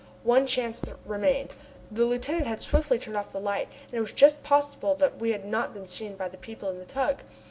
One chance remained. The lieutenant had swiftly turned off the light, and it was just possible that we had not been seen by the people in the tug.